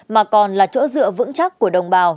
mà còn là chỗ dựa vững chắc của đồng bào